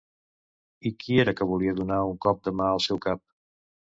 I qui era que volia donar un cop de mà al seu cap?